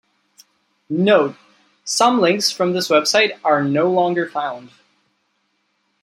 Note: Some links from this website are no longer found.